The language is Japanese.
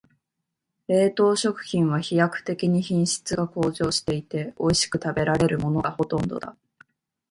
冷凍食品は飛躍的に品質が向上していて、おいしく食べられるものがほとんどだ。